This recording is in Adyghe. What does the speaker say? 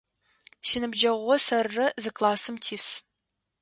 Синыбджэгъурэ сэрырэ зы классым тис.